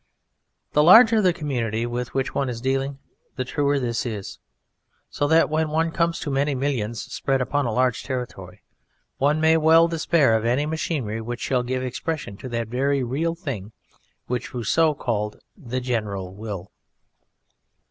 The larger the community with which one is dealing, the truer this is; so that, when it comes to many millions spread upon a large territory, one may well despair of any machinery which shall give expression to that very real thing which Rousseau called the General Will.